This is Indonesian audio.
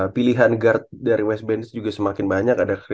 pilihan guard dari west benz juga semakin banyak